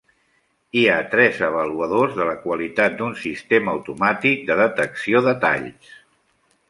Hi ha tres avaluadors de la qualitat d'un sistema automàtic de detecció de talls.